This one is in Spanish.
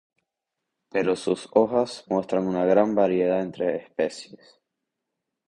Pero sus hojas muestran un gran variedad entre especies.